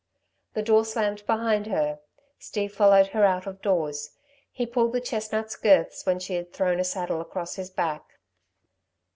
The door slammed behind her. Steve followed her out of doors. He pulled the chestnut's girths when she had thrown a saddle across his back.